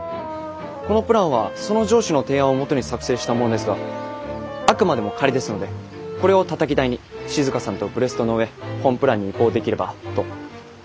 このプランはその上司の提案をもとに作成したものですがあくまでも仮ですのでこれをたたき台に静さんとブレストの上本プランに移行できればと。